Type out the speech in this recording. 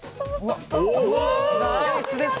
ナイスです！